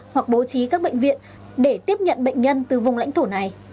hoặc bố trí các bệnh viện để tiếp nhận bệnh nhân từ vùng lãnh thổ này